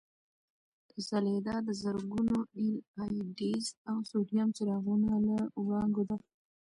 ځلېدا د زرګونو اېل ای ډیز او سوډیم څراغونو له وړانګو ده.